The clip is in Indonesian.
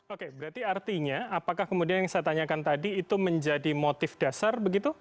oke berarti artinya apakah kemudian yang saya tanyakan tadi itu menjadi motif dasar begitu